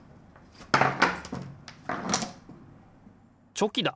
チョキだ！